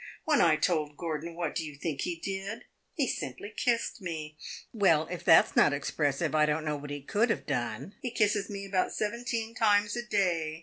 When I told Gordon, what do you think he did? He simply kissed me. Well, if that 's not expressive, I don't know what he could have done. He kisses me about seventeen times a day.